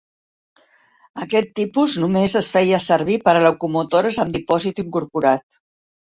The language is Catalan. Aquest tipus només es feia servir per a locomotores amb dipòsit incorporat.